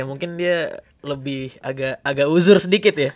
mungkin dia lebih agak uzur sedikit ya